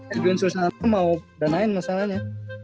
adrian susana mau danain masalahnya